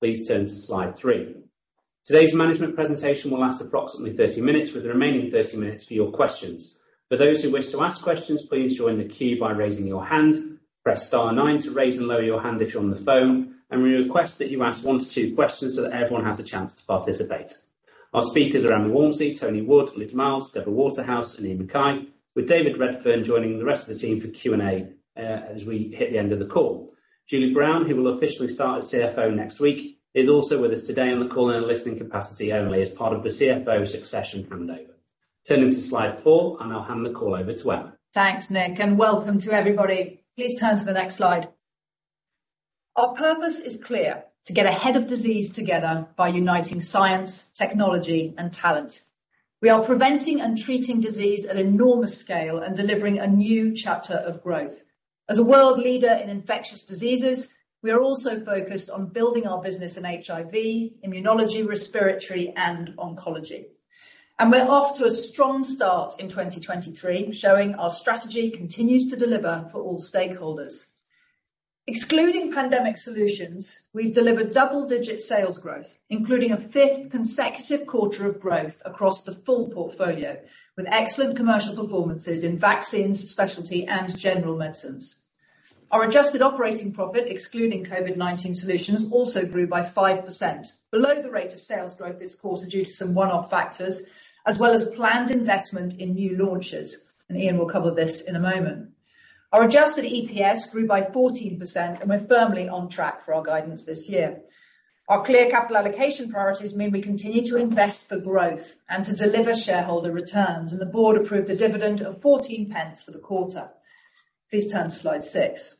Please turn to slide three. Today's management presentation will last approximately 30 minutes, with the remaining 30 minutes for your questions. For those who wish to ask questions, please join the queue by raising your hand, press star nine to raise and lower your hand if you're on the phone, and we request that you ask one to two questions so that everyone has a chance to participate. Our speakers are Emma Walmsley, Tony Wood, Luke Miels, Deborah Waterhouse, and Iain MacKay, with David Redfern joining the rest of the team for Q&A as we hit the end of the call. Julie Brown, who will officially start as CFO next week, is also with us today on the call in a listening capacity only as part of the CFO succession handover. Turning to slide four, I'll hand the call over to Emma. Thanks, Nick, and welcome to everybody. Please turn to the next slide. Our purpose is clear: To get ahead of disease together by uniting science, technology, and talent. We are preventing and treating disease at enormous scale and delivering a new chapter of growth. As a world leader in infectious diseases, we are also focused on building our business in HIV, immunology, respiratory, and oncology. We're off to a strong start in 2023, showing our strategy continues to deliver for all stakeholders. Excluding COVID-19 solutions, we've delivered double-digit sales growth, including a fifth consecutive quarter of growth across the full portfolio, with excellent commercial performances in vaccines, specialty, and General Medicines. Our adjusted operating profit, excluding COVID-19 solutions, also grew by 5%. Below the rate of sales growth this quarter due to some one-off factors, as well as planned investment in new launches. Iain will cover this in a moment. Our adjusted EPS grew by 14%. We're firmly on track for our guidance this year. Our clear capital allocation priorities mean we continue to invest for growth and to deliver shareholder returns. The board approved a dividend of 14 pence for the quarter. Please turn to slide six.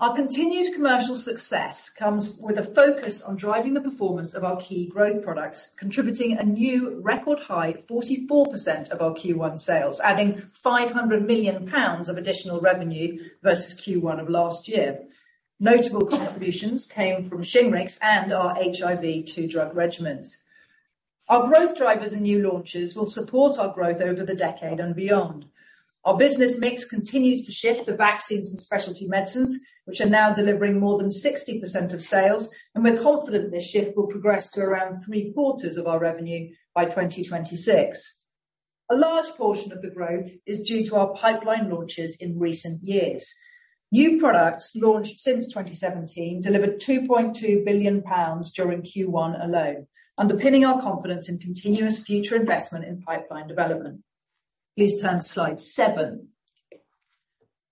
Our continued commercial success comes with a focus on driving the performance of our key growth products, contributing a new record high 44% of our Q1 sales, adding 500 million pounds of additional revenue versus Q1 of last year. Notable contributions came from Shingrix and our HIV two-drug regimens. Our growth drivers and new launches will support our growth over the decade and beyond. Our business mix continues to shift to vaccines and specialty medicines, which are now delivering more than 60% of sales. We're confident this shift will progress to around 3/4 of our revenue by 2026. A large portion of the growth is due to our pipeline launches in recent years. New products launched since 2017 delivered 2.2 billion pounds during Q1 alone, underpinning our confidence in continuous future investment in pipeline development. Please turn to slide seven.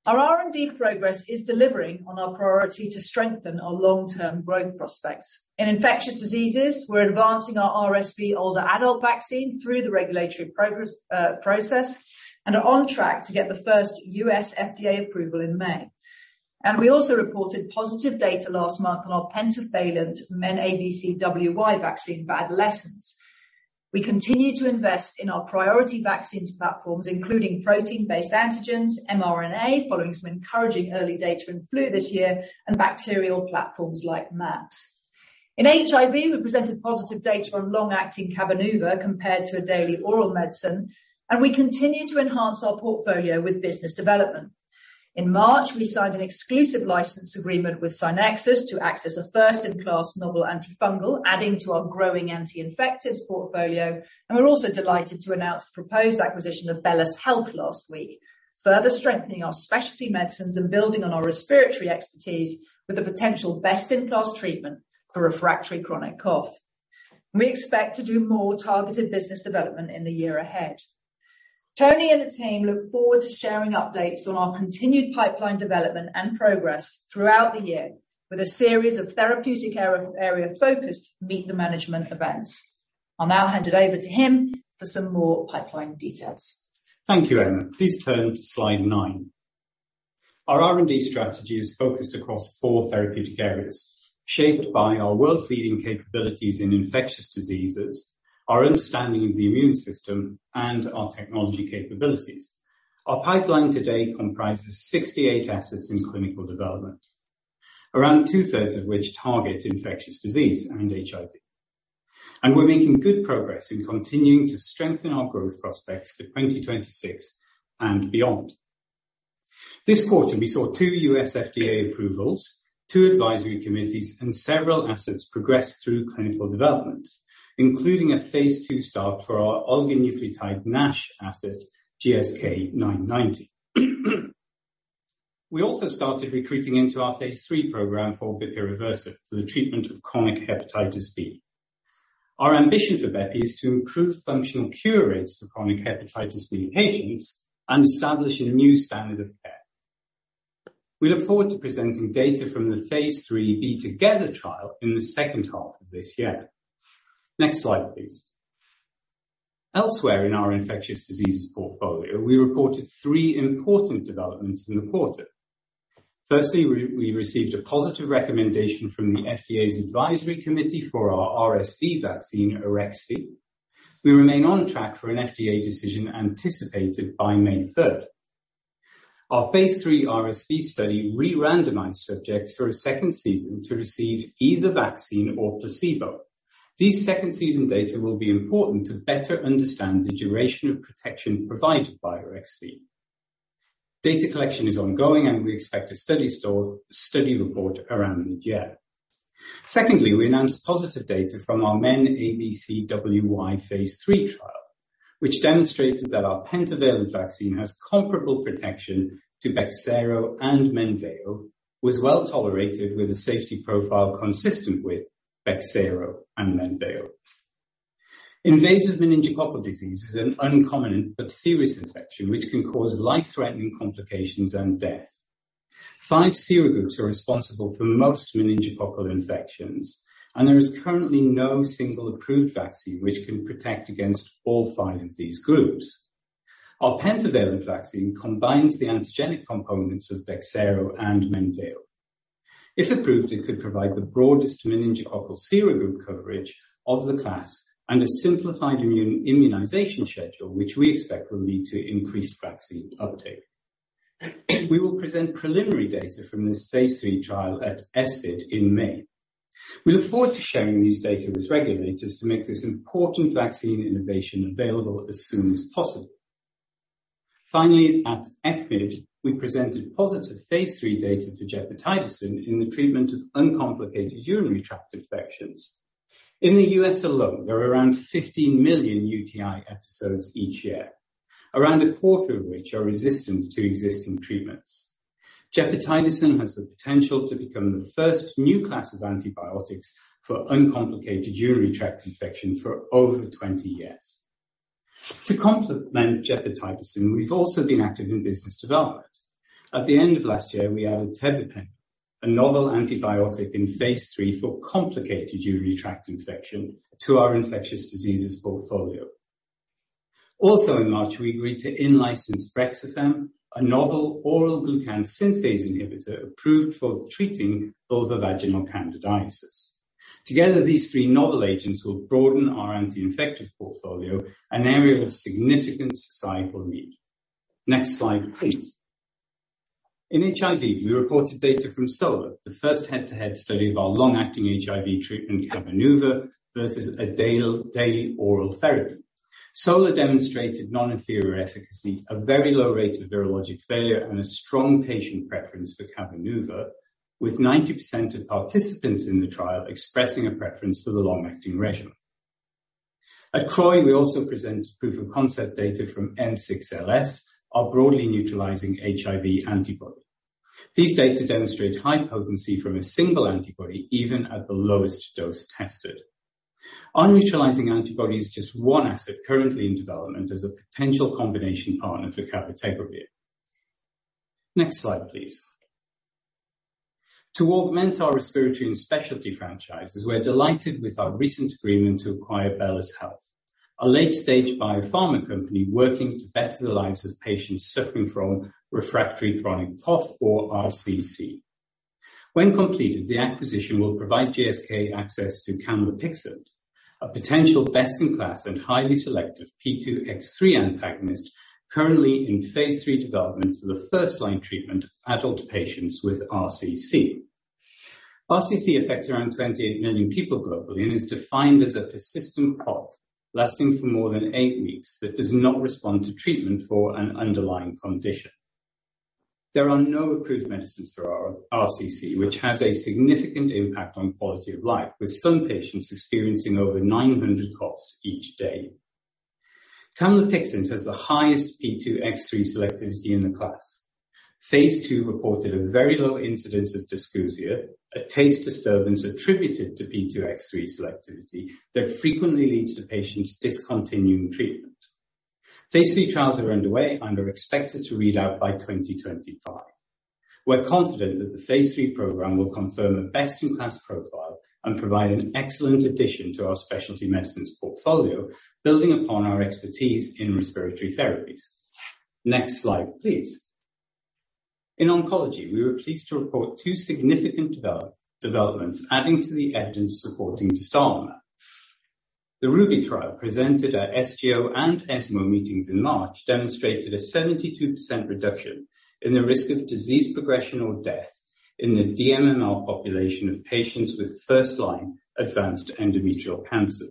Our R&D progress is delivering on our priority to strengthen our long-term growth prospects. In infectious diseases, we're advancing our RSV older adult vaccine through the regulatory process. We are on track to get the first U.S. FDA approval in May. We also reported positive data last month on our pentavalent MenABCWY vaccine for adolescents. We continue to invest in our priority vaccines platforms, including protein-based antigens, mRNA, following some encouraging early data in flu this year, and bacterial platforms like MAPS. In HIV, we presented positive data on long-acting Cabenuva compared to a daily oral medicine, and we continue to enhance our portfolio with business development. In March, we signed an exclusive license agreement with SCYNEXIS to access a first-in-class novel antifungal, adding to our growing anti-infectives portfolio. We're also delighted to announce the proposed acquisition of BELLUS Health last week, further strengthening our specialty medicines and building on our respiratory expertise with a potential best-in-class treatment for refractory chronic cough. We expect to do more targeted business development in the year ahead. Tony and the team look forward to sharing updates on our continued pipeline development and progress throughout the year with a series of therapeutic area-focused meet the management events. I'll now hand it over to him for some more pipeline details. Thank you, Emma. Please turn to slide nine. Our R&D strategy is focused across four therapeutic areas, shaped by our world-leading capabilities in infectious diseases, our understanding of the immune system, and our technology capabilities. Our pipeline today comprises 68 assets in clinical development, around two-thirds of which target infectious disease and HIV. We're making good progress in continuing to strengthen our growth prospects for 2026 and beyond. This quarter, we saw two U.S. FDA approvals, two advisory committees, and several assets progress through clinical development, including a phase II start for our oligonucleotide NASH asset, GSK'990. We also started recruiting into our phase III program for bepirovirsen for the treatment of chronic hepatitis B. Our ambition for BEP is to improve functional cure rates for chronic hepatitis B patients and establish a new standard of care. We look forward to presenting data from the phase III B-Together trial in the second half of this year. Next slide, please. Elsewhere in our infectious diseases portfolio, we reported three important developments in the quarter. Firstly, we received a positive recommendation from the FDA's Advisory Committee for our RSV vaccine, Arexvy. We remain on track for an FDA decision anticipated by May 3rd. Our phase III RSV study re-randomized subjects for a second season to receive either vaccine or placebo. These second season data will be important to better understand the duration of protection provided by Arexvy. Data collection is ongoing, and we expect a study report around mid-year. Secondly, we announced positive data from our MenABCWY phase III trial, which demonstrated that our pentavalent vaccine has comparable protection to Bexsero and MENVEO, was well-tolerated with a safety profile consistent with Bexsero and MENVEO. Invasive meningococcal disease is an uncommon but serious infection which can cause life-threatening complications and death. Five serogroups are responsible for most meningococcal infections, there is currently no single approved vaccine which can protect against all five of these groups. Our pentavalent vaccine combines the antigenic components of Bexsero and MENVEO. If approved, it could provide the broadest meningococcal serogroup coverage of the class and a simplified immunization schedule, which we expect will lead to increased vaccine uptake. We will present preliminary data from this phase III trial at ESPID in May. We look forward to sharing these data with regulators to make this important vaccine innovation available as soon as possible. Finally, at ECCMID, we presented positive phase III data for gepotidacin in the treatment of uncomplicated urinary tract infections. In the U.S. alone, there are around 15 million UTI episodes each year, around a quarter of which are resistant to existing treatments. Gepotidacin has the potential to become the first new class of antibiotics for uncomplicated urinary tract infection for over 20 years. To complement gepotidacin, we've also been active in business development. At the end of last year, we added tebipenem HBr, a novel antibiotic in phase III for complicated urinary tract infection to our infectious diseases portfolio. In March, we agreed to in-license Brexafemme, a novel oral glucan synthase inhibitor approved for treating vulvovaginal candidiasis. Together, these three novel agents will broaden our anti-infective portfolio, an area of significant societal need. Next slide, please. In HIV, we reported data from SOLAR, the first head-to-head study of our long-acting HIV treatment Cabenuva versus a daily oral therapy. SOLAR demonstrated non-inferior efficacy, a very low rate of virologic failure, and a strong patient preference for Cabenuva, with 90% of participants in the trial expressing a preference for the long-acting regimen. At CROI, we also presented proof-of-concept data from N6LS, our broadly neutralizing HIV antibody. These data demonstrate high potency from a single antibody, even at the lowest dose tested. Our neutralizing antibody is just one asset currently in development as a potential combination partner for cabotegravir. Next slide, please. To augment our respiratory and specialty franchises, we're delighted with our recent agreement to acquire BELLUS Health, a late-stage biopharma company working to better the lives of patients suffering from refractory chronic POTS or RCC. When completed, the acquisition will provide GSK access to camlipixant, a potential best-in-class and highly selective P2X3 antagonist currently in phase III development for the first-line treatment adult patients with RCC. RCC affects around 28 million people globally and is defined as a persistent coughs lasting for more than eight weeks that does not respond to treatment for an underlying condition. There are no approved medicines for RCC, which has a significant impact on quality of life, with some patients experiencing over 900 coughs each day. Camlipixant has the highest P2X3 selectivity in the class. phase II reported a very low incidence of dysgeusia, a taste disturbance attributed to P2X3 selectivity that frequently leads to patients discontinuing treatment. phase III trials are underway and are expected to read out by 2025. We're confident that the phase III program will confirm a best-in-class profile and provide an excellent addition to our specialty medicines portfolio, building upon our expertise in respiratory therapies. Next slide, please. In oncology, we were pleased to report two significant developments adding to the evidence supporting dostarlimab. The RUBY trial presented at SGO and ESMO meetings in March demonstrated a 72% reduction in the risk of disease progression or death in the dMMR population of patients with first-line advanced endometrial cancer.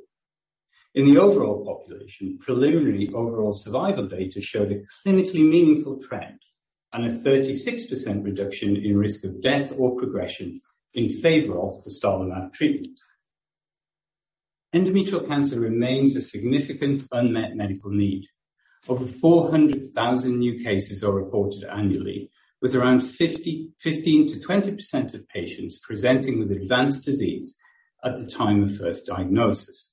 In the overall population, preliminary overall survival data showed a clinically meaningful trend and a 36% reduction in risk of death or progression in favor of dostarlimab treatment. Endometrial cancer remains a significant unmet medical need. Over 400,000 new cases are reported annually, with around 15%-20% of patients presenting with advanced disease at the time of first diagnosis.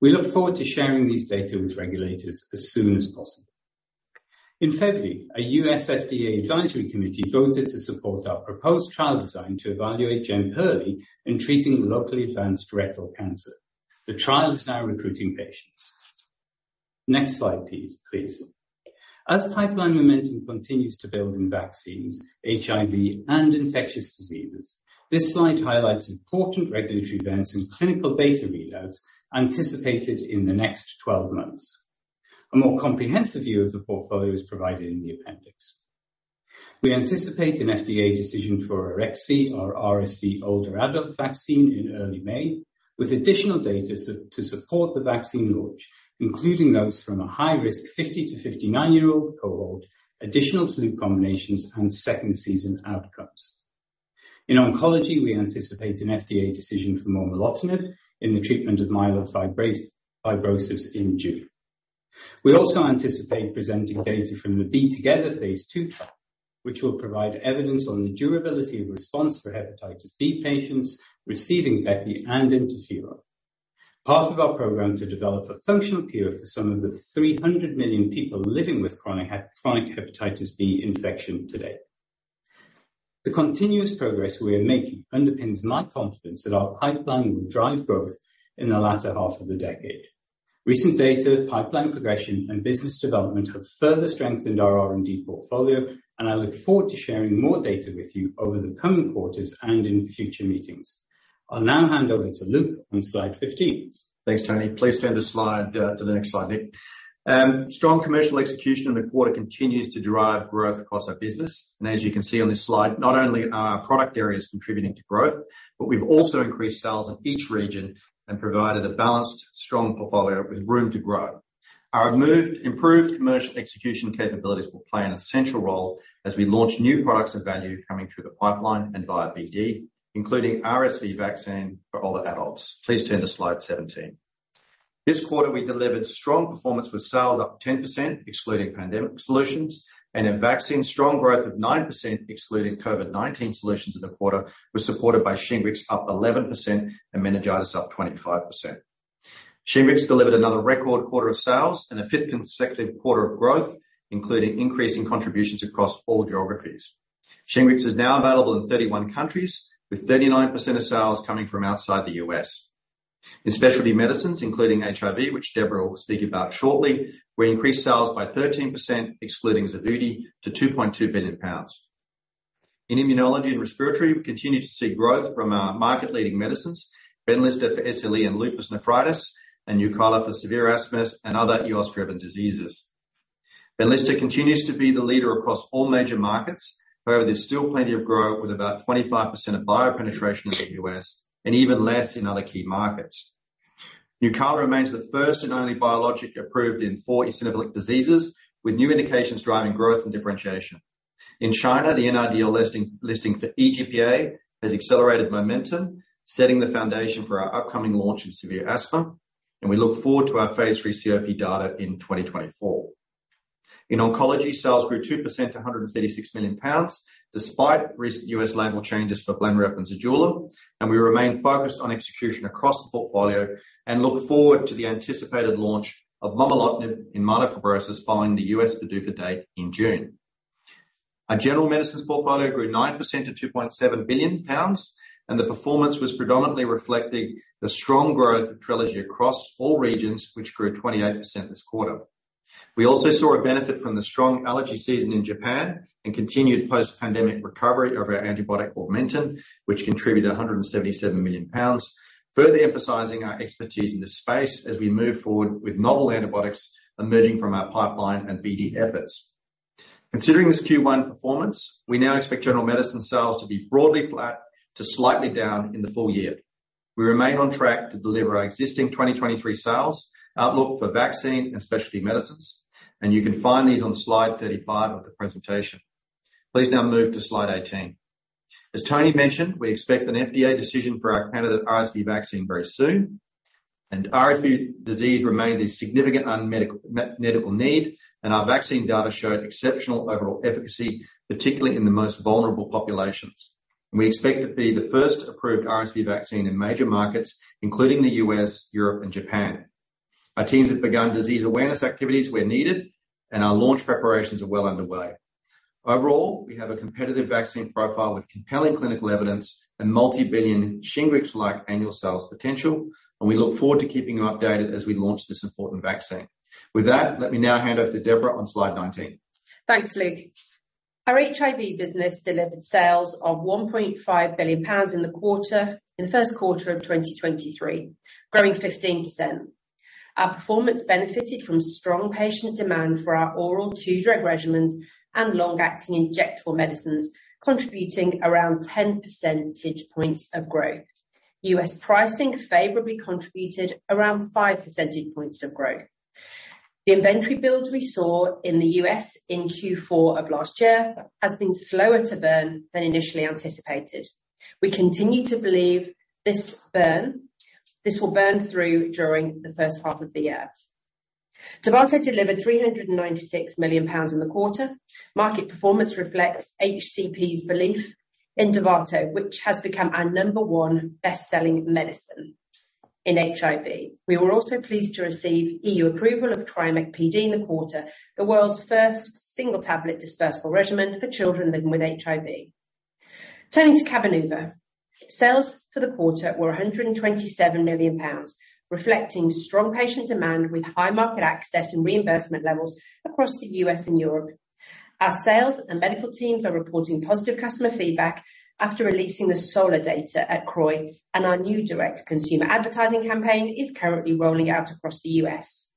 We look forward to sharing these data with regulators as soon as possible. In February, a U.S. FDA advisory committee voted to support our proposed trial design to evaluate Jemperli in treating locally advanced rectal cancer. The trial is now recruiting patients. Next slide, please. As pipeline momentum continues to build in vaccines, HIV, and infectious diseases, this slide highlights important regulatory events and clinical data readouts anticipated in the next 12 months. A more comprehensive view of the portfolio is provided in the appendix. We anticipate an FDA decision for Arexvy, our RSV older adult vaccine in early May, with additional data to support the vaccine launch, including those from a high-risk 50-59 year-old cohort, additional flu co-administrations, and second season outcomes. In oncology, we anticipate an FDA decision for momelotinib in the treatment of myelofibrosis in June. We also anticipate presenting data from the B-Together phase II trial, which will provide evidence on the durability and response for hepatitis B patients receiving bepirovirsen and interferon. Part of our program to develop a functional cure for some of the 300 million people living with chronic hepatitis B infection today. The continuous progress we are making underpins my confidence that our pipeline will drive growth in the latter half of the decade. Recent data, pipeline progression, and business development have further strengthened our R&D portfolio, and I look forward to sharing more data with you over the coming quarters and in future meetings. I'll now hand over to Luke on slide 15. Thanks, Tony. Please turn the slide to the next slide, Nick. Strong commercial execution in the quarter continues to drive growth across our business. As you can see on this slide, not only are our product areas contributing to growth, but we've also increased sales in each region and provided a balanced, strong portfolio with room to grow. Our improved commercial execution capabilities will play an essential role as we launch new products of value coming through the pipeline and via BD, including RSV vaccine for older adults. Please turn to slide 17. This quarter, we delivered strong performance with sales up 10% excluding pandemic solutions, and in vaccines, strong growth of 9% excluding COVID-19 solutions in the quarter was supported by Shingrix up 11% and meningitis up 25%. Shingrix delivered another record quarter of sales and a fifth consecutive quarter of growth, including increasing contributions across all geographies. Shingrix is now available in 31 countries, with 39% of sales coming from outside the U.S. In specialty medicines including HIV, which Deborah will speak about shortly, we increased sales by 13% excluding Xevudy to 2.2 billion pounds. In immunology and respiratory, we continue to see growth from our market-leading medicines, Benlysta for SLE and lupus nephritis, and Nucala for severe asthma and other eosinophilic diseases. Benlysta continues to be the leader across all major markets. There's still plenty of growth with about 25% of biopenetration in the U.S. and even less in other key markets. Nucala remains the first and only biologic approved in four eosinophilic diseases, with new indications driving growth and differentiation. In China, the NRDL listing for EGPA has accelerated momentum, setting the foundation for our upcoming launch in severe asthma. We look forward to our phaseIII COPD data in 2024. In oncology, sales grew 2% to 136 million pounds, despite recent U.S. label changes for Blenrep and Zejula. We remain focused on execution across the portfolio and look forward to the anticipated launch of momelotinib in myelofibrosis following the U.S. PDUFA date in June. Our General Medicines portfolio grew 9% to 2.7 billion pounds. The performance was predominantly reflecting the strong growth of Trelegy across all regions, which grew 28% this quarter. We also saw a benefit from the strong allergy season in Japan and continued post-pandemic recovery of our antibiotic, Augmentin, which contributed 177 million pounds, further emphasizing our expertise in this space as we move forward with novel antibiotics emerging from our pipeline and BD efforts. Considering this Q1 performance, we now expect general medicine sales to be broadly flat to slightly down in the full year. We remain on track to deliver our existing 2023 sales outlook for vaccine and specialty medicines, and you can find these on slide 35 of the presentation. Please now move to slide 18. As Tony mentioned, we expect an FDA decision for our candidate RSV vaccine very soon. RSV disease remained a significant unmet medical need, and our vaccine data showed exceptional overall efficacy, particularly in the most vulnerable populations. We expect to be the first approved RSV vaccine in major markets, including the U.S., Europe, and Japan. Our teams have begun disease awareness activities where needed, and our launch preparations are well underway. Overall, we have a competitive vaccine profile with compelling clinical evidence and multi-billion Shingrix-like annual sales potential, and we look forward to keeping you updated as we launch this important vaccine. With that, let me now hand over to Deborah on slide 19. Thanks, Luke. Our HIV business delivered sales of 1.5 billion pounds in the quarter, in the first quarter of 2023, growing 15%. Our performance benefited from strong patient demand for our oral two-drug regimens and long-acting injectable medicines, contributing around 10 percentage points of growth. U.S. pricing favorably contributed around 5 percentage points of growth. The inventory build we saw in the U.S. in Q4 of last year has been slower to burn than initially anticipated. We continue to believe this will burn through during the first half of the year. Dovato delivered 396 million pounds in the quarter. Market performance reflects HCP's belief in Dovato, which has become our number one best-selling medicine in HIV. We were also pleased to receive EU approval of Triumeq PD in the quarter, the world's first single tablet dispersible regimen for children living with HIV. Turning to Cabenuva. Sales for the quarter were 127 million pounds, reflecting strong patient demand with high market access and reimbursement levels across the U.S. and Europe. Our sales and medical teams are reporting positive customer feedback after releasing the SOLAR data at CROI. Our new direct consumer advertising campaign is currently rolling out across the U.S.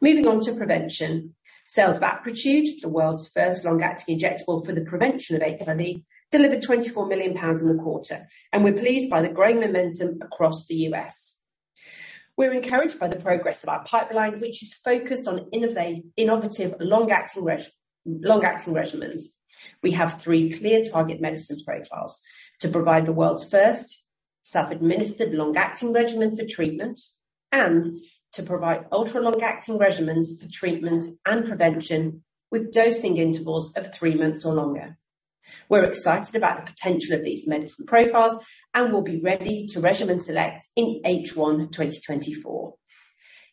Moving on to prevention. Sales of Apretude, the world's first long-acting injectable for the prevention of HIV, delivered 24 million pounds in the quarter. We're pleased by the growing momentum across the U.S. We're encouraged by the progress of our pipeline, which is focused on innovative long-acting regimens. We have three clear target medicines profiles to provide the world's first self-administered long-acting regimen for treatment, and to provide ultra long-acting regimens for treatment and prevention with dosing intervals of three months or longer. We're excited about the potential of these medicine profiles, and we'll be ready to regimen select in H1 2024.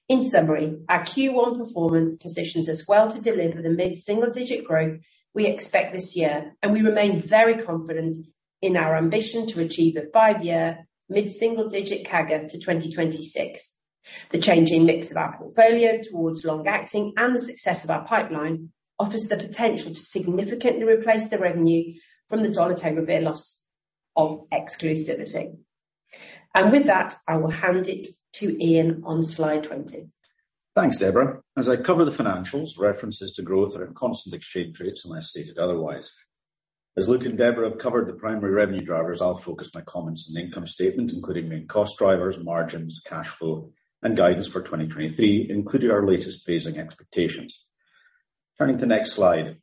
In summary, our Q1 performance positions us well to deliver the mid-single digit growth we expect this year, and we remain very confident in our ambition to achieve a 5-year mid-single digit CAGR to 2026. The changing mix of our portfolio towards long-acting and the success of our pipeline offers the potential to significantly replace the revenue from the dolutegravir loss of exclusivity. With that, I will hand it to Iain on slide 20. Thanks, Deborah. As I cover the financials, references to growth are in constant exchange rates unless stated otherwise. As Luke and Deborah have covered the primary revenue drivers, I'll focus my comments on the income statement, including main cost drivers, margins, cash flow, and guidance for 2023, including our latest phasing expectations. Turning to next slide.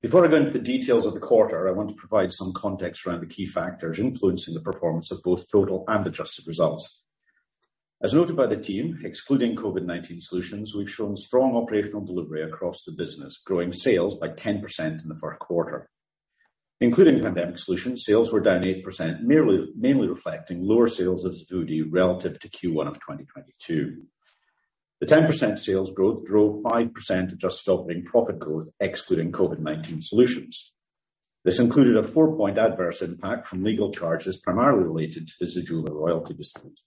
Before I go into the details of the quarter, I want to provide some context around the key factors influencing the performance of both total and adjusted results. As noted by the team, excluding COVID-19 solutions, we've shown strong operational delivery across the business, growing sales by 10% in the first quarter. Including pandemic solutions, sales were down 8%, mainly reflecting lower sales of Xevudy relative to Q1 of 2022. The 10% sales growth drove 5% adjusted operating profit growth excluding COVID-19 solutions. This included a 4-point adverse impact from legal charges primarily related to the Zantac royalty dispute.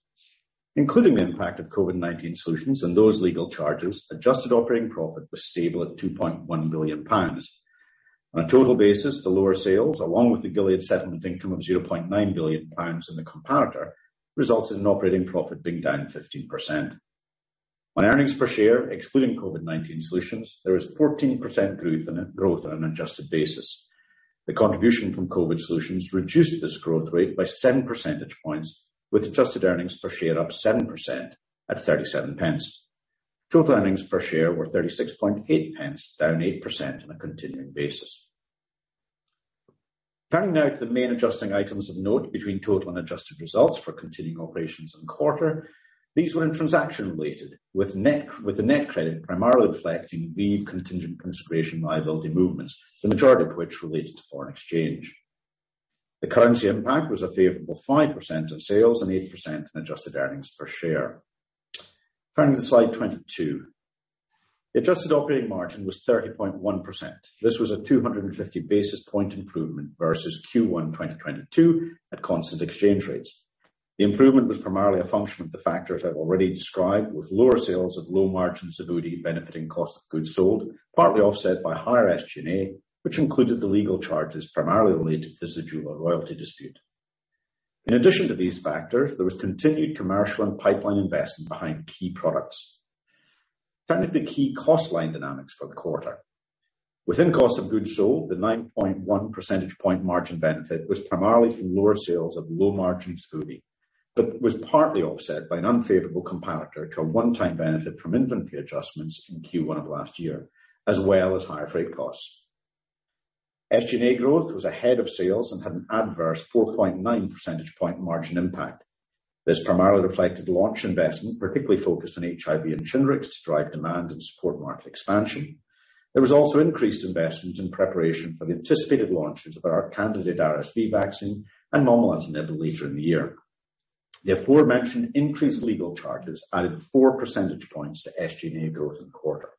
Including the impact of COVID-19 solutions and those legal charges, adjusted operating profit was stable at 2.1 billion pounds. On a total basis, the lower sales, along with the Gilead settlement income of 0.9 billion pounds in the comparator, resulted in operating profit being down 15%. On earnings per share, excluding COVID-19 solutions, there is 14% growth on an adjusted basis. The contribution from COVID solutions reduced this growth rate by 7 percentage points, with adjusted earnings per share up 7% at 37 pence. Total earnings per share were 36.8 pence, down 8% on a continuing basis. Turning now to the main adjusting items of note between total and adjusted results for continuing operations in the quarter. These were in transaction related with the net credit primarily reflecting the contingent consideration liability movements, the majority of which related to foreign exchange. The currency impact was a favorable 5% in sales and 8% in adjusted earnings per share. Turning to slide 22. Adjusted operating margin was 30.1%. This was a 250 basis point improvement versus Q1 2022 at constant exchange rates. The improvement was primarily a function of the factors I've already described, with lower sales at low margin Zantac benefiting cost of goods sold, partly offset by higher SG&A, which included the legal charges primarily related to the Zantac royalty dispute. In addition to these factors, there was continued commercial and pipeline investment behind key products. Turning to the key cost line dynamics for the quarter. Within cost of goods sold, the 9.1 percentage point margin benefit was primarily from lower sales of low-margin Zudene, but was partly offset by an unfavorable comparator to a one-time benefit from inventory adjustments in Q1 of last year, as well as higher freight costs. SG&A growth was ahead of sales and had an adverse 4.9 percentage point margin impact. This primarily reflected launch investment, particularly focused on HIV and Shingrix to drive demand and support market expansion. There was also increased investment in preparation for the anticipated launches of our candidate RSV vaccine and momelotinib later in the year. The aforementioned increased legal charges added four percentage points to SG&A growth in quarter.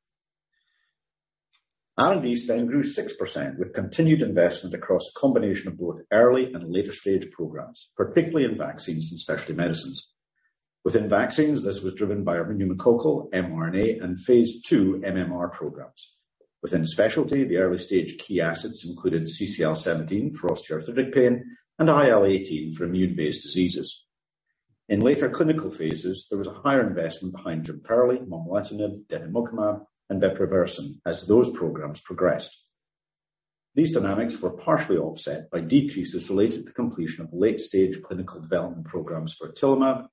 R&D spend grew 6% with continued investment across a combination of both early and later stage programs, particularly in vaccines and specialty medicines. Within vaccines, this was driven by our pneumococcal, mRNA, and phase II MMR programs. Within specialty, the early stage key assets included CCL17 for osteoarthritic pain and IL-18 for immune-based diseases. In later clinical phases, there was a higher investment behind Tremfya, momelotinib, depemokimab, and bepirovirsen as those programs progressed. These dynamics were partially offset by decreases related to completion of late-stage clinical development programs for otilimab,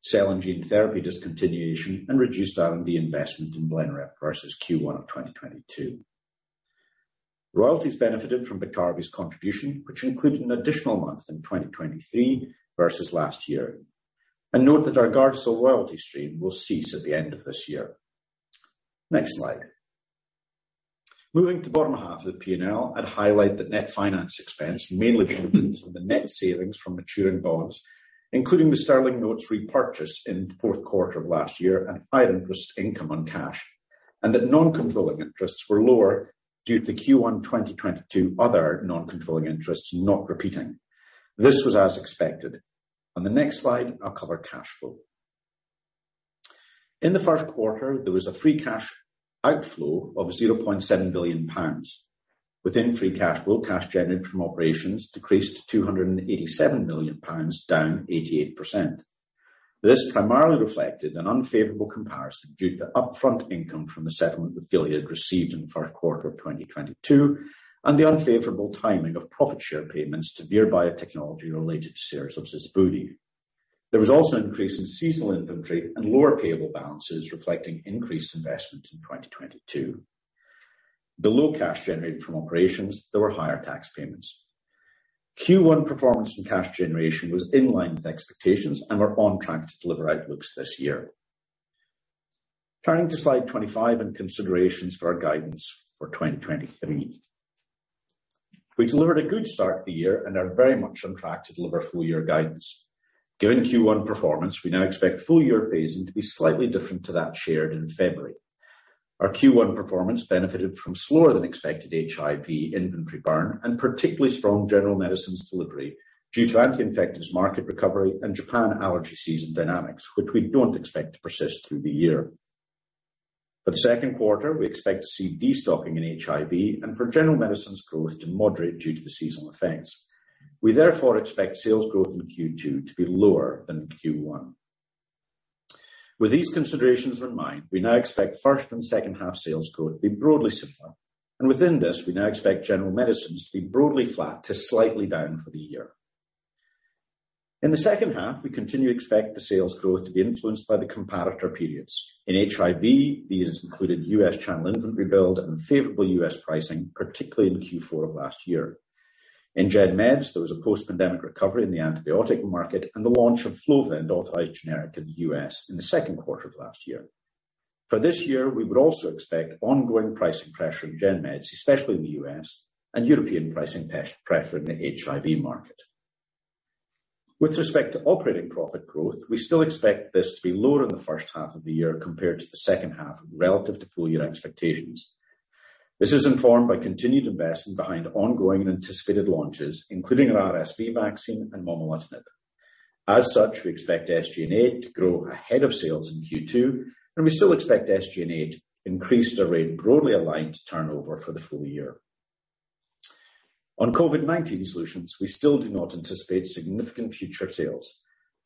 cell and gene therapy discontinuation, and reduced R&D investment in Blenrep versus Q1 of 2022. Royalties benefited from Bicari's contribution, which included an additional month in 2023 versus last year. Note that our Gardasil royalty stream will cease at the end of this year. Next slide. Moving to bottom half of the P&L, I'd highlight that net finance expense mainly driven from the net savings from maturing bonds, including the sterling notes repurchase in fourth quarter of last year and higher interest income on cash. That non-controlling interests were lower due to Q1 2022 other non-controlling interests not repeating. This was as expected. On the next slide, I'll cover cash flow. In the first quarter, there was a free cash outflow of 0.7 billion pounds. Within free cash flow, cash generated from operations decreased 287 million pounds, down 88%. This primarily reflected an unfavorable comparison due to upfront income from the settlement with Gilead received in first quarter of 2022, and the unfavorable timing of profit share payments to Vir Biotechnology related to sotrovimab. There was also increase in seasonal inventory and lower payable balances reflecting increased investments in 2022. Below cash generated from operations, there were higher tax payments. Q1 performance and cash generation was in line with expectations and we're on track to deliver outlooks this year. Turning to slide 25 and considerations for our guidance for 2023. We delivered a good start to the year and are very much on track to deliver full year guidance. Given Q1 performance, we now expect full year phasing to be slightly different to that shared in February. Our Q1 performance benefited from slower than expected HIV inventory burn, and particularly strong general medicines delivery due to anti-infectives market recovery and Japan allergy season dynamics, which we don't expect to persist through the year. For the second quarter, we expect to see destocking in HIV and for General Medicines growth to moderate due to the seasonal effects. We therefore expect sales growth in Q2 to be lower than Q1. Within this, we now expect first and second half sales growth to be broadly similar. Within this, we now expect General Medicines to be broadly flat to slightly down for the year. In the second half, we continue to expect the sales growth to be influenced by the comparator periods. In HIV, these included U.S. channel inventory build and favorable U.S. pricing, particularly in Q4 of last year. In Gen Meds, there was a post-pandemic recovery in the antibiotic market and the launch of Flovent authorized generic in the U.S. in the second quarter of last year. For this year, we would also expect ongoing pricing pressure in Gen Meds, especially in the U.S., and European pricing pressure in the HIV market. With respect to operating profit growth, we still expect this to be lower in the first half of the year compared to the second half relative to full year expectations. This is informed by continued investment behind ongoing and anticipated launches, including our RSV vaccine and momelotinib. As such, we expect SG&A to grow ahead of sales in Q2, and we still expect SG&A to increase at a rate broadly aligned to turnover for the full year. On COVID-19 solutions, we still do not anticipate significant future sales.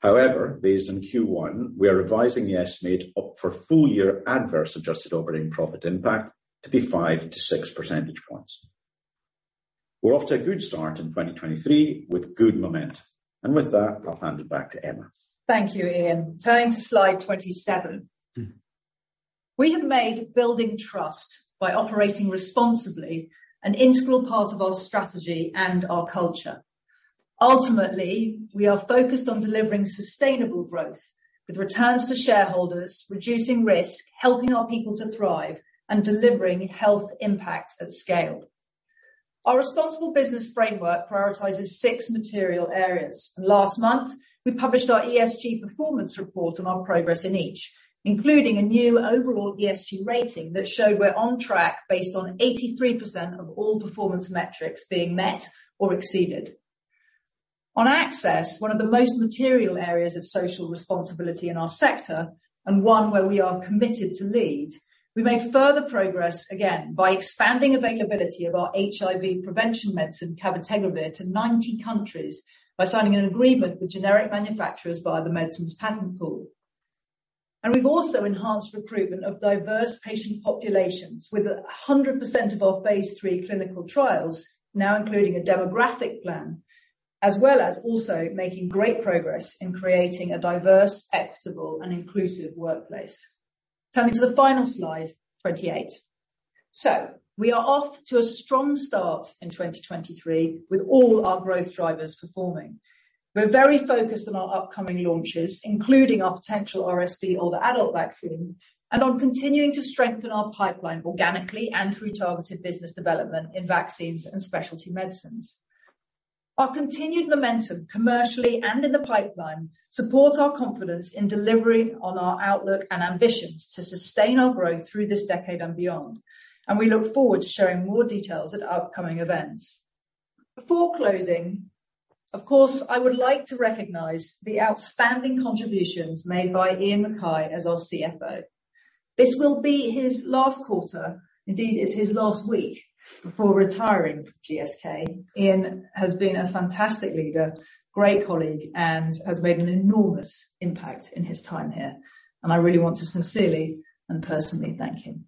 Based on Q1, we are revising the estimate up for full year adverse adjusted operating profit impact to be 5-6 percentage points. We're off to a good start in 2023 with good momentum. With that, I'll hand it back to Emma. Thank you, Iain. Turning to slide 27. We have made building trust by operating responsibly an integral part of our strategy and our culture. Ultimately, we are focused on delivering sustainable growth with returns to shareholders, reducing risk, helping our people to thrive, and delivering health impact at scale. Our responsible business framework prioritizes six material areas. Last month, we published our ESG performance report on our progress in each, including a new overall ESG rating that showed we're on track based on 83% of all performance metrics being met or exceeded. On access, one of the most material areas of social responsibility in our sector, and one where we are committed to lead, we made further progress again by expanding availability of our HIV prevention medicine, cabotegravir, to 90 countries by signing an agreement with generic manufacturers via the Medicines Patent Pool. We've also enhanced recruitment of diverse patient populations with 100% of our phase III clinical trials now including a demographic plan, as well as also making great progress in creating a diverse, equitable, and inclusive workplace. Turning to the final slide, 28. We are off to a strong start in 2023 with all our growth drivers performing. We're very focused on our upcoming launches, including our potential RSV or the adult vaccine, and on continuing to strengthen our pipeline organically and through targeted business development in vaccines and specialty medicines. Our continued momentum commercially and in the pipeline support our confidence in delivering on our outlook and ambitions to sustain our growth through this decade and beyond. We look forward to showing more details at upcoming events. Before closing, of course, I would like to recognize the outstanding contributions made by Iain MacKay as our CFO. This will be his last quarter. Indeed, it's his last week before retiring from GSK. Ian has been a fantastic leader, great colleague, and has made an enormous impact in his time here. I really want to sincerely and personally thank him.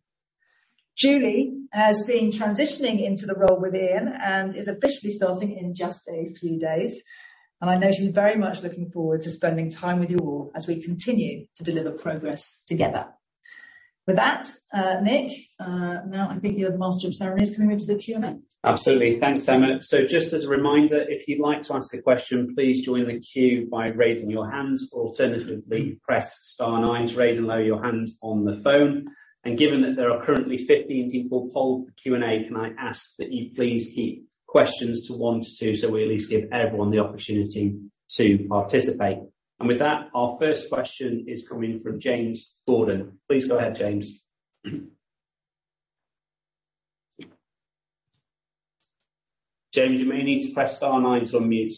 Julie has been transitioning into the role with Ian and is officially starting in just a few days. I know she's very much looking forward to spending time with you all as we continue to deliver progress together. With that, Nick, now I think you're the master of ceremonies. Can we move to the Q&A? Absolutely. Thanks, Emma. Just as a reminder, if you'd like to ask a question, please join the queue by raising your hands. Alternatively, press star nine to raise and lower your hand on the phone. Given that there are currently 15 people polled for Q&A, can I ask that you please keep questions to one to two, so we at least give everyone the opportunity to participate. With that, our first question is coming from James Gordon. Please go ahead, James. James, you may need to press star nine to unmute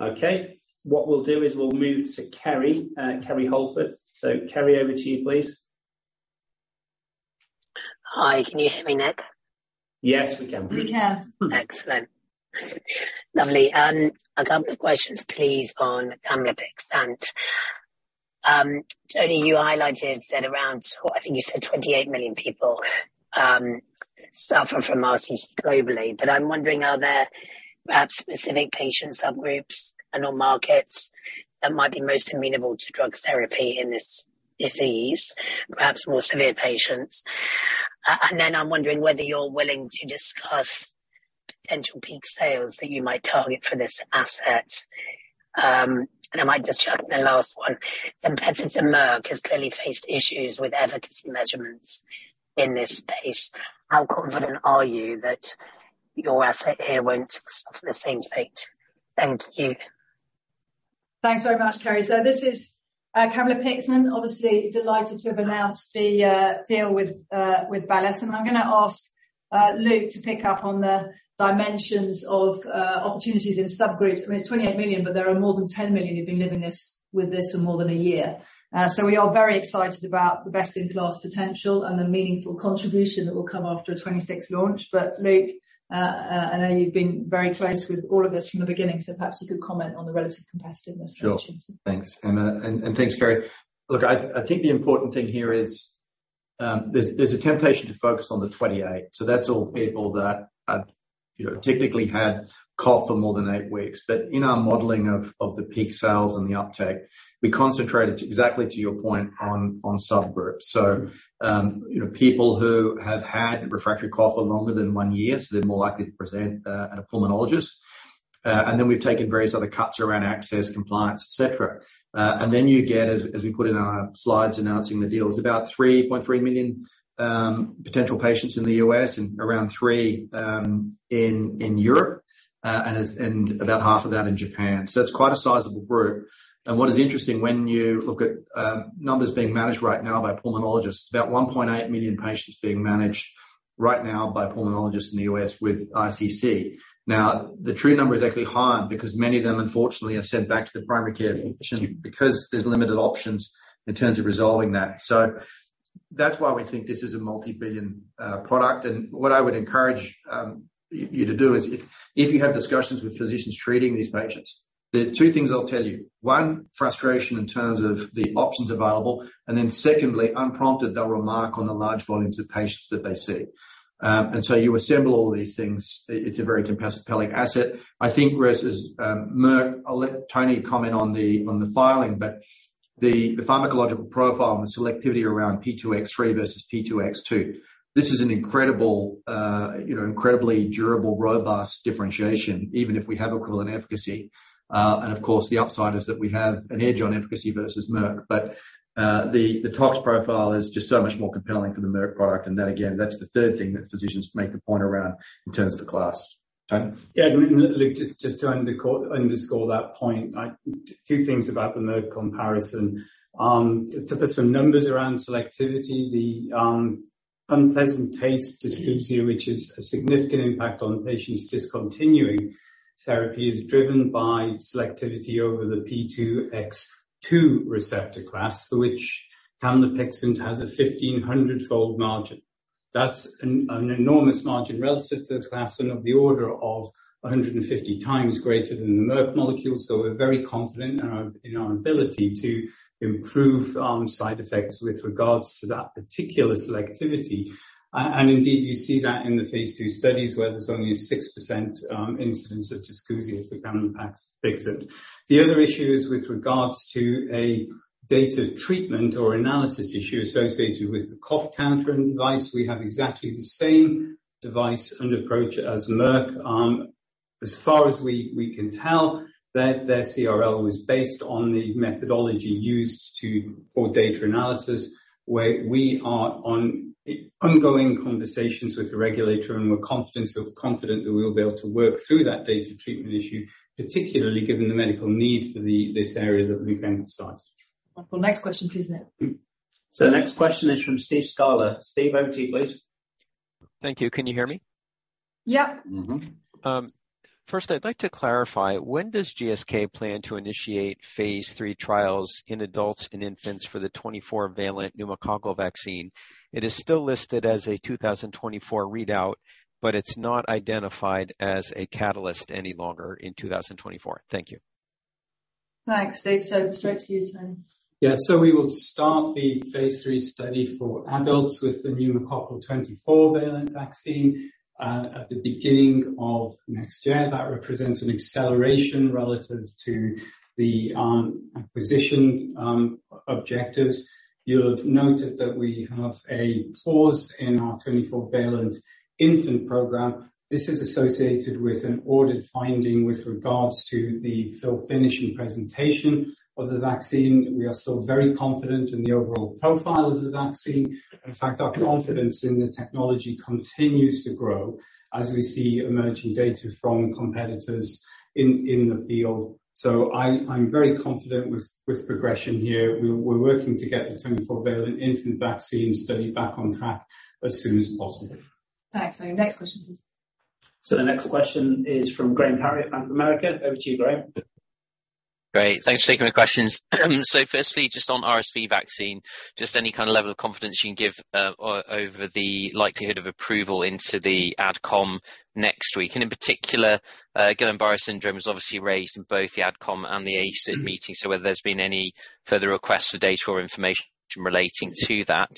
Okay. What we'll do is we'll move to Kerry Holford. Kerry, over to you, please. Hi. Can you hear me, Nick? Yes, we can. We can. Excellent. Lovely. A couple of questions, please, on camlipixant. Tony, you highlighted that around, what? I think you said 28 million people suffer from RCC globally. I'm wondering, are there perhaps specific patient subgroups and/or markets that might be most amenable to drug therapy in this disease, perhaps more severe patients? Then I'm wondering whether you're willing to discuss potential peak sales that you might target for this asset. I might just chuck in a last one. Competitor Merck has clearly faced issues with efficacy measurements in this space. How confident are you that your asset here won't suffer the same fate? Thank you. Thanks very much, Kerry. This is camlipixant, obviously delighted to have announced the deal with Veles. I'm going to ask Luke to pick up on the dimensions of opportunities in subgroups. I mean, it's $28 million, but there are more than $10 million who've been living with this for more than one year. We are very excited about the best-in-class potential and the meaningful contribution that will come after a 2026 launch. Luke, I know you've been very close with all of this from the beginning, so perhaps you could comment on the relative competitiveness of chances. Sure. Thanks, Emma. Thanks, Kerry. I think the important thing here is there's a temptation to focus on the 28, so that's all people that, you know, technically had cough for more than eight weeks. In our modeling of the peak sales and the uptake, we concentrated exactly to your point on subgroups. You know, people who have had refractory cough for longer than one year, so they're more likely to present at a pulmonologist. We've taken various other cuts around access, compliance, et cetera. You get, as we put in our slides announcing the deal, it's about 3.3 million potential patients in the U.S. and around three in Europe, and about half of that in Japan. It's quite a sizable group. What is interesting, when you look at numbers being managed right now by pulmonologists, about 1.8 million patients being managed right now by pulmonologists in the U.S. with RCC. Now, the true number is actually higher because many of them, unfortunately, are sent back to the primary care physician because there's limited options in terms of resolving that. That's why we think this is a multi-billion product. What I would encourage you to do is if you have discussions with physicians treating these patients, the two things I'll tell you, one, frustration in terms of the options available, and then secondly, unprompted, they'll remark on the large volumes of patients that they see. You assemble all these things, it's a very compelling asset. I think versus Merck, I'll let Tony comment on the filing. The pharmacological profile and the selectivity around P2X3 versus P2X2, this is an incredible, you know, incredibly durable, robust differentiation even if we have equivalent efficacy. Of course, the upside is that we have an edge on efficacy versus Merck. The tox profile is just so much more compelling for the Merck product. Then again, that's the third thing that physicians make a point around in terms of the class. Tony. Yeah. Luke, just to underscore that point, two things about the Merck comparison. To put some numbers around selectivity, the unpleasant taste dysgeusia, which is a significant impact on patients discontinuing therapy, is driven by selectivity over the P2X2 receptor class, for which camlipixant has a 1,500-fold margin. That's an enormous margin relative to the class and of the order of 150 times greater than the Merck molecule. We're very confident in our ability to improve side effects with regards to that particular selectivity. Indeed, you see that in the phase II studies where there's only a 6% incidence of dysgeusia for camlipixant. The other issue is with regards to a data treatment or analysis issue associated with the cough counter device. We have exactly the same device and approach as Merck. As far as we can tell, their CRL was based on the methodology used for data analysis, where we are on ongoing conversations with the regulator and we're confident that we'll be able to work through that data treatment issue, particularly given the medical need for this area that Luke emphasized. Well, next question please, Nick. Next question is from Steve Scala. Steve, over to you please. Thank you. Can you hear me? Yeah. Mm-hmm. First I'd like to clarify, when does GSK plan to initiate phase III trials in adults and infants for the 24-valent pneumococcal vaccine? It is still listed as a 2024 readout, but it's not identified as a catalyst any longer in 2024. Thank you. Thanks, Steve. Straight to you, Tony. We will start the phase III study for adults with the pneumococcal 24-valent vaccine at the beginning of next year. That represents an acceleration relative to the acquisition objectives. You'll have noted that we have a pause in our 24-valent infant program. This is associated with an audit finding with regards to the fill finish and presentation of the vaccine. We are still very confident in the overall profile of the vaccine. In fact, our confidence in the technology continues to grow as we see emerging data from competitors in the field. I'm very confident with progression here. We're working to get the 24-valent infant vaccine study back on track as soon as possible. Thanks, Tony. Next question, please. The next question is from Graham Parry at Bank of America. Over to you, Graham. Great. Thanks for taking the questions. Firstly, just on RSV vaccine, just any kind of level of confidence you can give over the likelihood of approval into the AdCom next week. In particular, Guillain-Barré syndrome is obviously raised in both the AdCom and the ACIP meeting. Whether there's been any further requests for data or information relating to that?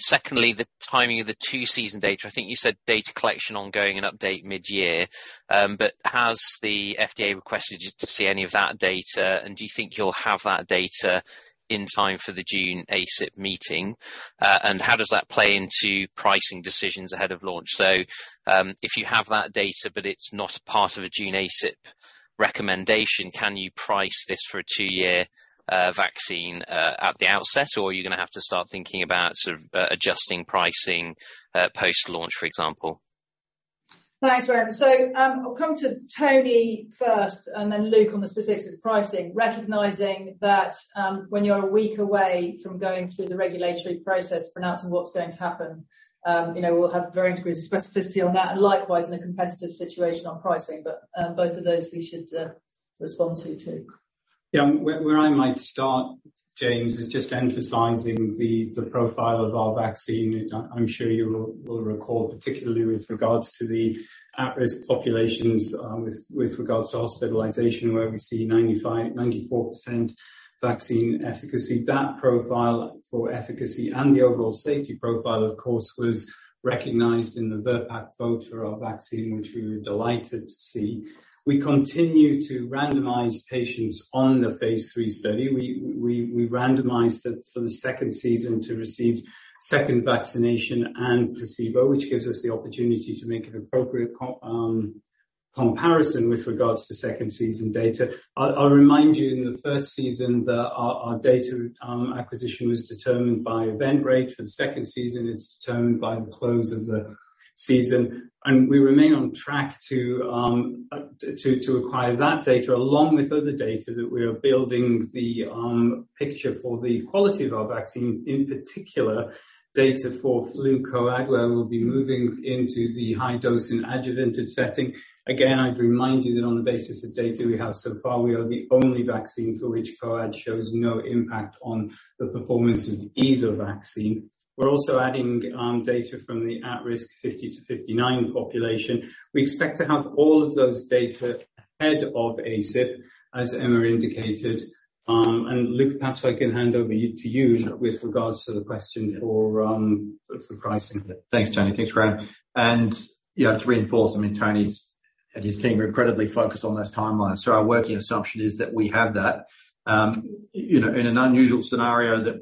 Secondly, the timing of the two-season data. I think you said data collection ongoing and update mid-year. Has the FDA requested you to see any of that data? Do you think you'll have that data in time for the June ACIP meeting? How does that play into pricing decisions ahead of launch? If you have that data, but it's not a part of a June ACIP recommendation, can you price this for a 2-year vaccine at the outset, or are you gonna have to start thinking about sort of adjusting pricing post-launch, for example? Thanks, Graham. I'll come to Tony first and then Luke on the specifics of pricing, recognizing that, when you're a week away from going through the regulatory process, pronouncing what's going to happen, you know, we'll have varying degrees of specificity on that, and likewise in a competitive situation on pricing. Both of those we should respond to, too. Where I might start, [James], is just emphasizing the profile of our vaccine. I'm sure you will recall, particularly with regards to the at-risk populations, with regards to hospitalization, where we see 94% vaccine efficacy. That profile for efficacy and the overall safety profile, of course, was recognized in the VRBPAC vote for our vaccine, which we were delighted to see. We continue to randomize patients on the phase III study. We randomized it for the second season to receive second vaccination and placebo, which gives us the opportunity to make an appropriate comparison with regards to second season data. I'll remind you, in the first season that our data acquisition was determined by event rate. For the second season, it's determined by the close of the season. We remain on track to acquire that data along with other data that we are building the picture for the quality of our vaccine, in particular, data for flu co-ad, where we'll be moving into the high dose and adjuvanted setting. Again, I'd remind you that on the basis of data we have so far, we are the only vaccine for which coad shows no impact on the performance of either vaccine. We're also adding data from the at-risk 50 to 59 population. We expect to have all of those data ahead of ACIP, as Emma indicated. Luke, perhaps I can hand over to you with regards to the question for pricing. Thanks, Tony. Thanks, Graham. You know, to reinforce, Tony's and his team are incredibly focused on those timelines. Our working assumption is that we have that. You know, in an unusual scenario that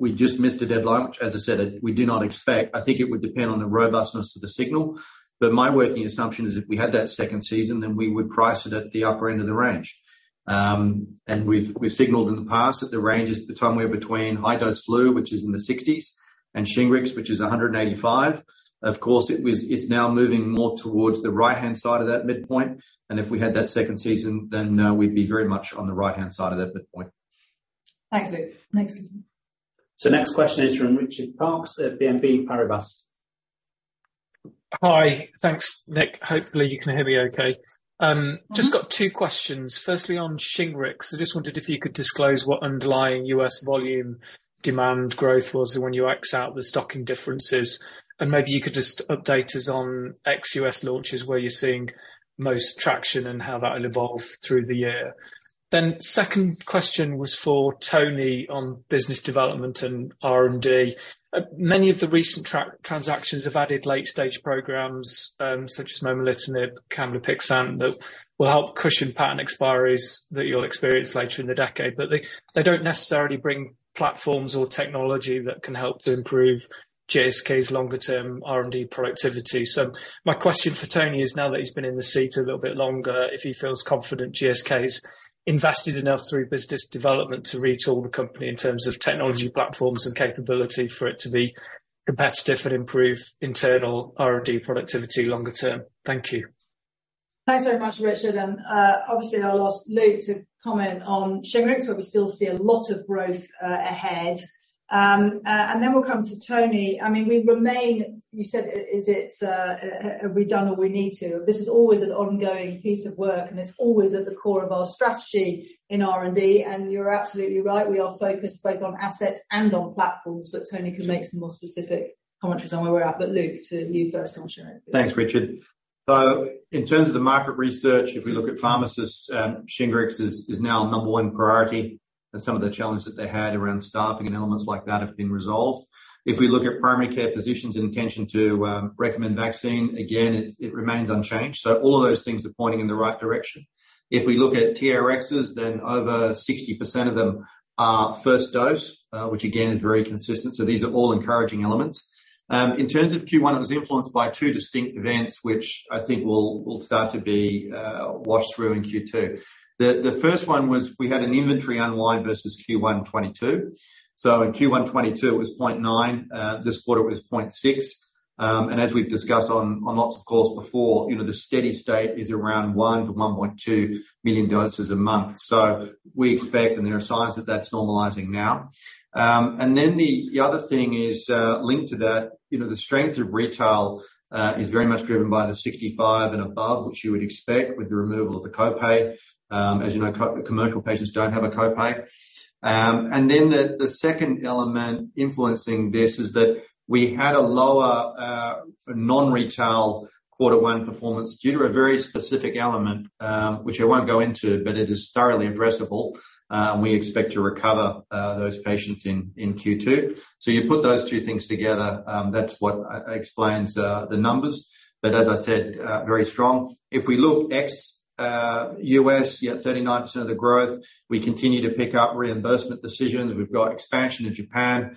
we just missed a deadline, which as I said, we do not expect, I think it would depend on the robustness of the signal. My working assumption is if we had that second season, we would price it at the upper end of the range. We've signaled in the past that the range is somewhere between high-dose flu, which is in the $60s, and Shingrix, which is $185. Of course, it's now moving more towards the right-hand side of that midpoint, if we had that second season, we'd be very much on the right-hand side of that midpoint. Thanks, Luke. Next please. Next question is from Richard Parkes at BNP Paribas. Hi. Thanks, Nick. Hopefully you can hear me okay. Mm-hmm. Just got two questions. Firstly on Shingrix, I just wondered if you could disclose what underlying U.S. volume demand growth was when you x out the stocking differences, and maybe you could just update us on ex-U.S. launches where you're seeing most traction and how that'll evolve through the year. Second question was for Tony on business development and R&D. Many of the recent transactions have added late-stage programs, such as momelotinib, camlipixant, that will help cushion patent expiries that you'll experience later in the decade. They don't necessarily bring platforms or technology that can help to improve GSK's longer term R&D productivity. My question for Tony is, now that he's been in the seat a little bit longer, if he feels confident GSK's invested enough through business development to retool the company in terms of technology platforms and capability for it to be competitive and improve internal R&D productivity longer term. Thank you. Thanks very much, Richard. Obviously I'll ask Luke to comment on Shingrix, where we still see a lot of growth ahead. Then we'll come to Tony. I mean, we remain. You said, is it, have we done all we need to? This is always an ongoing piece of work, and it's always at the core of our strategy in R&D. You're absolutely right, we are focused both on assets and on platforms, but Tony can make some more specific commentary on where we're at. Luke, to you first on Shingrix. Thanks, Richard. In terms of the market research, if we look at pharmacists, Shingrix is now our number one priority, and some of the challenges that they had around staffing and elements like that have been resolved. If we look at primary care physicians intention to recommend vaccine, again it remains unchanged. All of those things are pointing in the right direction. If we look at TRXs, over 60% of them are 1st dose, which again is very consistent. These are all encouraging elements. In terms of Q1, it was influenced by two distinct events which I think will start to be washed through in Q2. The 1st one was we had an inventory unwind versus Q1 2022. In Q1 2022, it was 0.9. This quarter it was 0.6. As we've discussed on lots of calls before, you know, the steady state is around 1 to 1.2 million doses a month. We expect, and there are signs that that's normalizing now. Then the other thing is linked to that, you know, the strength of retail is very much driven by the 65 and above, which you would expect with the removal of the co-pay. As you know, commercial patients don't have a co-pay. Then the second element influencing this is that we had a lower non-retail Q1 performance due to a very specific element, which I won't go into, but it is thoroughly addressable. We expect to recover those patients in Q2. You put those two things together, that's what explains the numbers. As I said, very strong. If we look ex-U.S., you know, 39% of the growth. We continue to pick up reimbursement decisions. We've got expansion in Japan.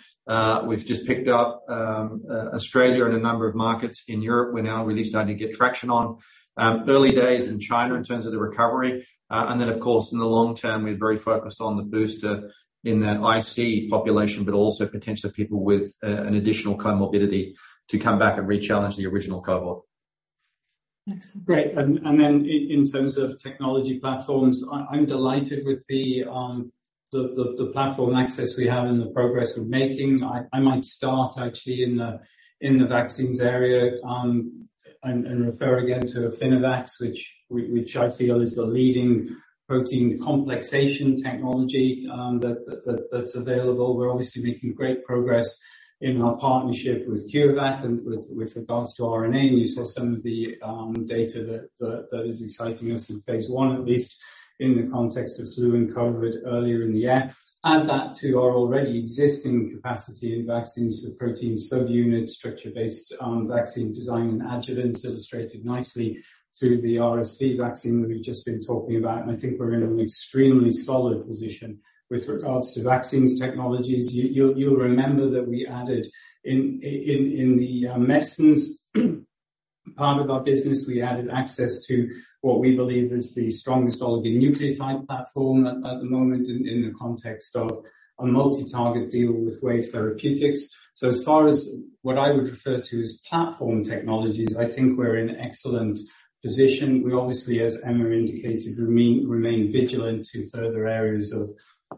We've just picked up Australia and a number of markets in Europe. We're now really starting to get traction on. Early days in China in terms of the recovery. Of course, in the long term we're very focused on the booster in that IC population, but also potentially people with an additional comorbidity to come back and re-challenge the original cohort. Thanks. Great. Then in terms of technology platforms, I'm delighted with the platform access we have and the progress we're making. I might start actually in the vaccines area, and refer again to Affinivax, which I feel is the leading protein complexation technology that's available. We're obviously making great progress in our partnership with CureVac and with regards to RNA. You saw some of the data that is exciting us in phase I, at least in the context of flu and COVID earlier in the year. Add that to our already existing capacity in vaccines with protein subunit structure-based vaccine design and adjuvants illustrated nicely through the RSV vaccine that we've just been talking about, and I think we're in an extremely solid position. With regards to vaccines technologies, you'll remember that we added in the medicines part of our business, we added access to what we believe is the strongest oligonucleotide platform at the moment in the context of a multi-target deal with Wave Life Sciences. As far as what I would refer to as platform technologies, I think we're in excellent position. We obviously, as Emma indicated, remain vigilant to further areas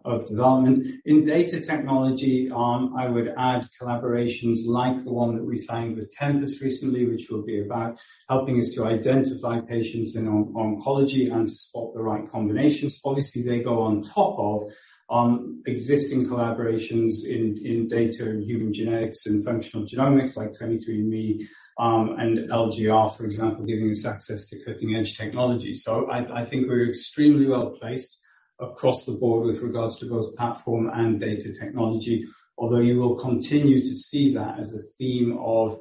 of development. In data technology, I would add collaborations like the one that we signed with Tempus recently, which will be about helping us to identify patients in oncology and to spot the right combinations. Obviously, they go on top of existing collaborations in data and human genetics and functional genomics like 23andMe and LGR, for example, giving us access to cutting-edge technology. I think we're extremely well placed across the board with regards to both platform and data technology, although you will continue to see that as a theme of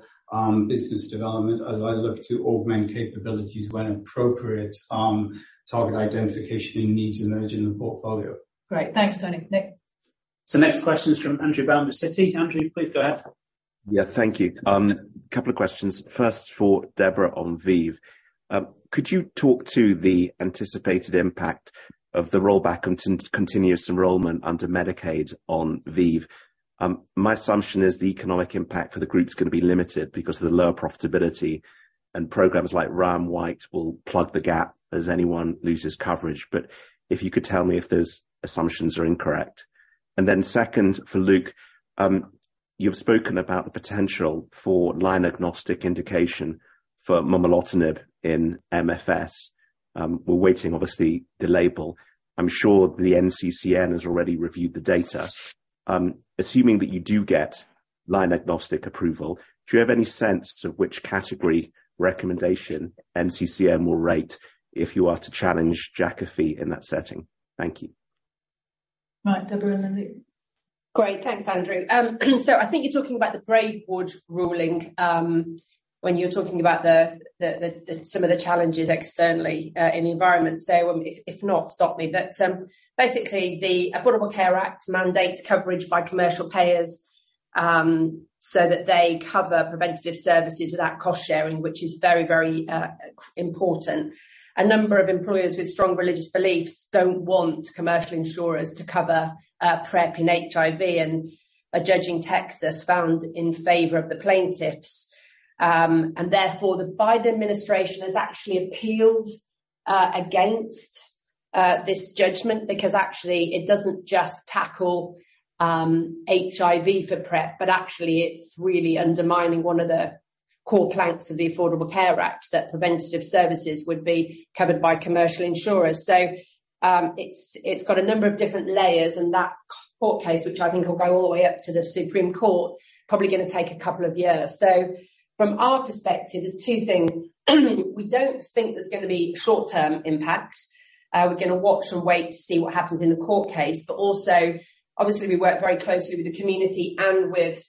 business development as I look to augment capabilities when appropriate, target identification needs emerge in the portfolio. Great. Thanks, Tony. Nick. Next question is from Andrew Baum of Citi. Andrew, please go ahead. Yeah. Thank you. Couple of questions. First for Deborah on ViiV. Could you talk to the anticipated impact of the rollback of continuous enrollment under Medicaid on ViiV? My assumption is the economic impact for the group is gonna be limited because of the lower profitability and programs like Ryan White will plug the gap as anyone loses coverage. If you could tell me if those assumptions are incorrect. Second, for Luke, you've spoken about the potential for line-agnostic indication for momelotinib in MFS. We're waiting obviously the label. I'm sure the NCCN has already reviewed the data. Assuming that you do get line-agnostic approval, do you have any sense of which category recommendation NCCN will rate if you are to challenge Jakafi in that setting? Thank you. Right. Deborah and then Luke. Great. Thanks, Andrew. I think you're talking about the Braidwood ruling when you're talking about some of the challenges externally in the environment. If not, stop me. Basically, the Affordable Care Act mandates coverage by commercial payers so that they cover preventive services without cost-sharing, which is very important. A number of employers with strong religious beliefs don't want commercial insurers to cover PrEP in HIV, and a judge in Texas found in favor of the plaintiffs. Therefore, the Biden administration has actually appealed against this judgment because actually it doesn't just tackle HIV for PrEP, but actually it's really undermining one of the core planks of the Affordable Care Act that preventive services would be covered by commercial insurers. It's got a number of different layers and that court case, which I think will go all the way up to the Supreme Court, probably gonna take two years. From our perspective, there's two things. We don't think there's gonna be short-term impact. We're gonna watch and wait to see what happens in the court case. Also, obviously, we work very closely with the community and with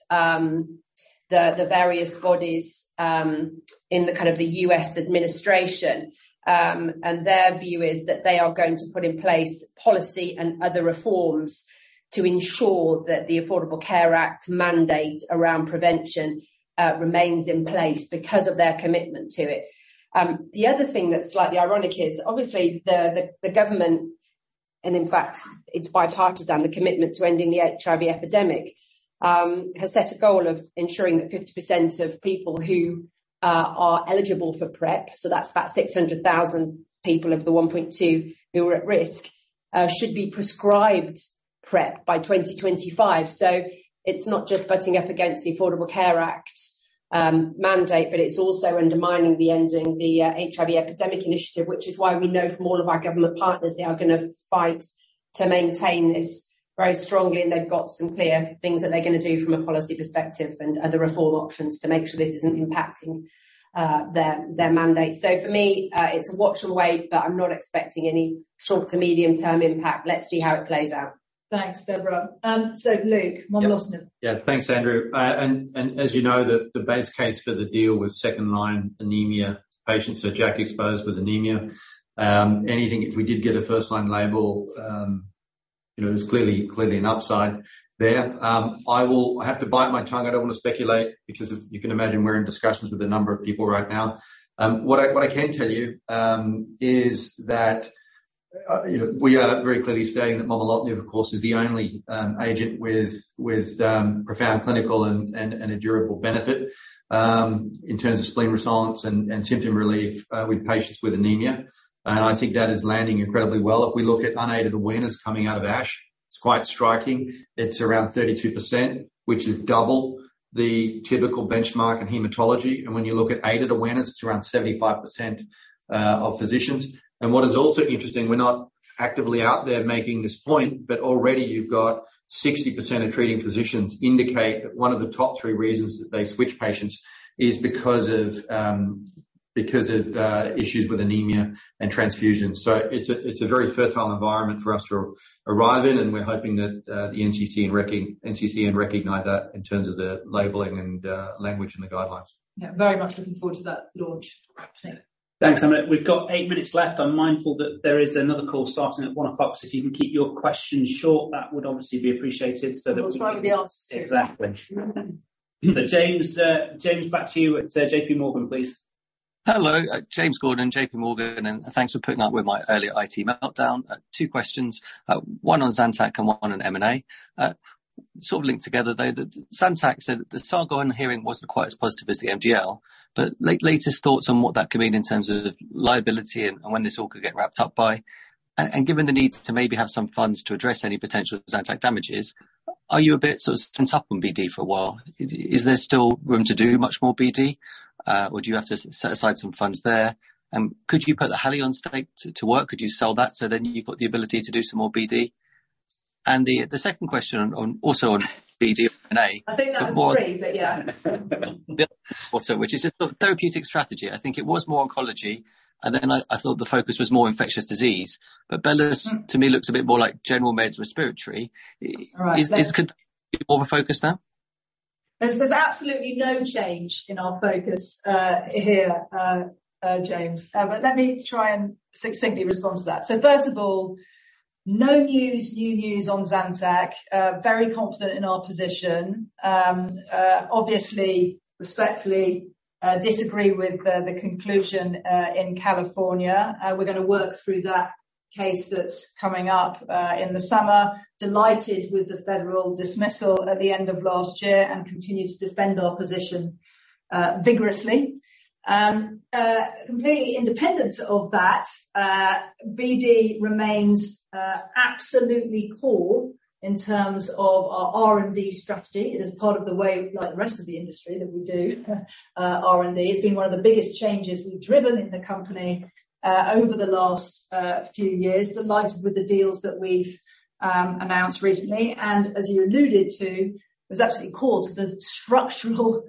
the various bodies in the kind of the U.S. administration. Their view is that they are going to put in place policy and other reforms to ensure that the Affordable Care Act mandate around prevention remains in place because of their commitment to it. The other thing that's slightly ironic is obviously the government and in fact, it's bipartisan, the commitment to ending the HIV epidemic. Has set a goal of ensuring that 50% of people who are eligible for PrEP, so that's about 600,000 people of the 1.2 who are at risk, should be prescribed PrEP by 2025. It's not just butting up against the Affordable Care Act mandate, but it's also undermining the ending the HIV epidemic initiative. We know from all of our government partners they are gonna fight to maintain this very strongly, and they've got some clear things that they're gonna do from a policy perspective and other reform options to make sure this isn't impacting their mandate. For me, it's a watch and wait, but I'm not expecting any short to medium term impact. Let's see how it plays out. Thanks, Deborah. Luke, momelotinib. Yeah. Thanks, Andrew. As you know, the base case for the deal was second line anemia patients, so JAK-exposed with anemia. Anything, if we did get a first line label, you know, there's clearly an upside there. I will have to bite my tongue. I don't wanna speculate because as you can imagine, we're in discussions with a number of people right now. What I can tell you know, we are very clearly stating that momelotinib, of course, is the only agent with profound clinical and a durable benefit in terms of spleen response and symptom relief with patients with anemia. I think that is landing incredibly well. If we look at unaided awareness coming out of ASH, it's quite striking. It's around 32%, which is double the typical benchmark in hematology. When you look at aided awareness, it's around 75% of physicians. What is also interesting, we're not actively out there making this point, but already you've got 60% of treating physicians indicate that one of the top three reasons that they switch patients is because of issues with anemia and transfusion. It's a very fertile environment for us to arrive in, and we're hoping that the NCCN recognize that in terms of the labeling and language and the guidelines. Very much looking forward to that launch. Yeah. Thanks, Emma. We've got eight minutes left. I'm mindful that there is another call starting at 1:00 P.M. If you can keep your questions short, that would obviously be appreciated so that we can. We'll try with the answers too. Exactly. James, back to you at JPMorgan, please. Hello. James Gordon, JPMorgan, thanks for putting up with my earlier IT meltdown. Two questions, one on Zantac and one on M&A. Sort of linked together though. The Zantac said that the saga on hearing wasn't quite as positive as the MDL, but latest thoughts on what that could mean in terms of liability and when this all could get wrapped up by. Given the needs to maybe have some funds to address any potential Zantac damages, are you a bit sort of stint up on BD for a while? Is there still room to do much more BD, or do you have to set aside some funds there? Could you put the Haleon stake to work? Could you sell that so then you've got the ability to do some more BD? The second question on also on BD and M&A. I think that was three, but yeah. The other question, which is the therapeutic strategy. I think it was more oncology, and then I thought the focus was more infectious disease. Mm-hmm To me looks a bit more like Gen Meds with respiratory. All right. Could it be more of a focus now? There's absolutely no change in our focus here, James. But let me try and succinctly respond to that. First of all, no news, new news on Zantac. Very confident in our position. Obviously, respectfully, disagree with the conclusion in California. We're gonna work through that case that's coming up in the summer. Delighted with the federal dismissal at the end of last year and continue to defend our position vigorously. Completely independent of that, BD remains absolutely core in terms of our R&D strategy. It is part of the way, like the rest of the industry, that we do R&D. It's been one of the biggest changes we've driven in the company over the last few years. Delighted with the deals that we've announced recently. As you alluded to, it was absolutely core to the structural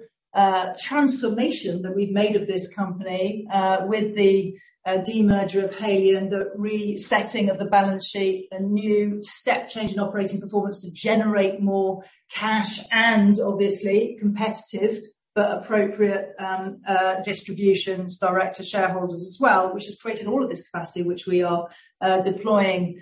transformation that we've made of this company, with the demerger of Haleon and the resetting of the balance sheet, a new step change in operating performance to generate more cash and obviously competitive, but appropriate, distributions direct to shareholders as well, which has created all of this capacity which we are deploying,